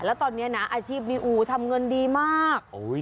แล้วตอนนี้นะอาชีพนี้อู๋ทำเงินดีมาก